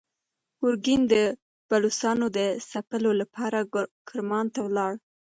ګورګین د بلوڅانو د ځپلو لپاره کرمان ته لاړ.